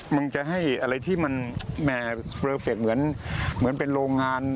มันจะให้อะไรที่มันแหม่เฟอร์เฟคเหมือนเป็นโรงงาน